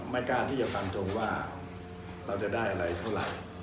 กล้าที่จะฟันทงว่าเราจะได้อะไรเท่าไหร่